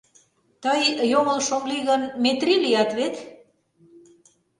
Тый, йоҥылыш ом лий гын, Метрий лият вет?